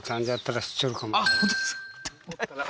本当ですか